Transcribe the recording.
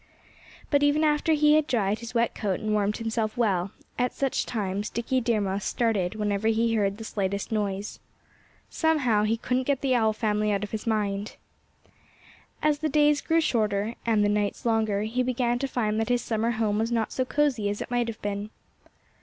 But even after he had dried his wet coat and warmed himself well, at such times Dickie Deer Mouse started whenever he heard the slightest noise. Somehow, he couldn't get the Owl family out of his mind. As the days grew shorter and the nights longer he began to find that his summer home was not so cozy as it might have been.